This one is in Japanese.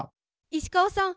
石川さん